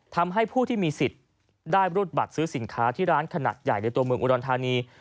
ทำให้ผู้ที่มีสิทธิ์ได้รูดบัตรซื้อสินค้าที่ร้านขนาดใหญ่ในตัวเมืองอุดรธานี